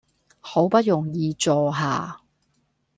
好不容易坐下